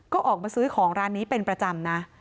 ก็ออกมาซื้อของร้านนี้เป็นประจำนะ